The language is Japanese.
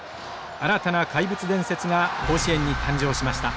新たな怪物伝説が甲子園に誕生しました。